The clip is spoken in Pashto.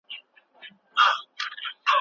ما غوښتل چې د ببو د پخلي په اړه کیسه ولیکم.